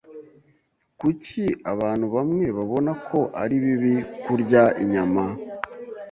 Kuki abantu bamwe babona ko ari bibi kurya inyama?